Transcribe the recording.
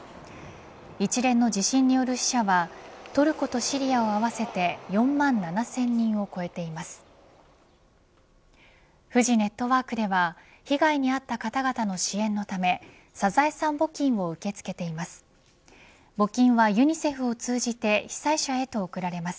一連の地震による死者はトルコとシリアを合わせて４万７０００人を超えています。